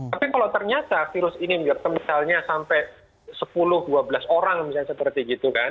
tapi kalau ternyata virus ini misalnya sampai sepuluh dua belas orang misalnya seperti gitu kan